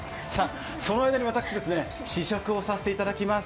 その間に私、その間に試食をさせていただきます。